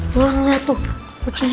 kakak kenaan deh kucingnya